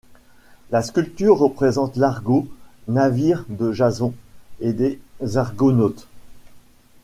La sculpture représente l'Argo, navire de Jason et des Argonautes.